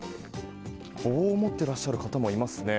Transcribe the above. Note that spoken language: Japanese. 棒を持っていらっしゃる方もいますね。